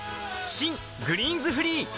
新「グリーンズフリー」